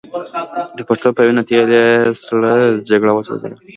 د پښتون د وینو په تېل یې سړه جګړه وسوځوله.